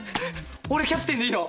俺キャプテンでいいの？